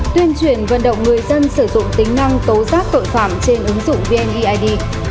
tuyên truyền vận động người dân sử dụng tính năng tố giác tội phạm trên ứng dụng vneid